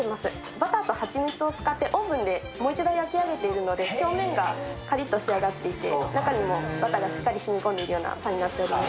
バターと蜂蜜を使って、オーブンでもう一度、焼き上げているので表面がカリッと仕上がっていて中にもバターがしっかり染み込んでいるようなパンになっています。